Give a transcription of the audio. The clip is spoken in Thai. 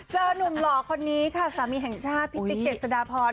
หนุ่มหล่อคนนี้ค่ะสามีแห่งชาติพี่ติ๊กเจษฎาพร